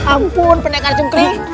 ampun pendekar jungkri